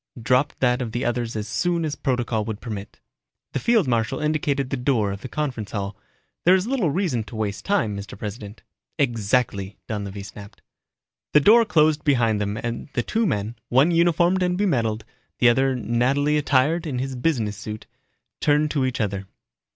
Dropped that of the other's as soon as protocol would permit. The field marshal indicated the door of the conference hall. "There is little reason to waste time, Mr. President." "Exactly," Donlevy snapped. The door closed behind them and the two men, one uniformed and bemedaled, the other nattily attired in his business suit, turned to each other.